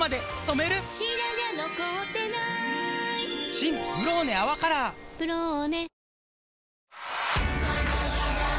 新「ブローネ泡カラー」「ブローネ」